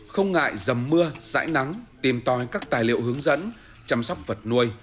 không ngại dầm mưa rãi nắng tìm tòi các tài liệu hướng dẫn chăm sóc vật nuôi